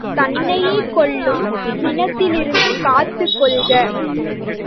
தன்னையே கொல்லும் சினத்திலிருந்து காத்துக் கொள்க.